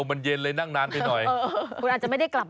มัวแต่นั่งกินลงกินลาบ